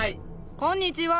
こんにちは。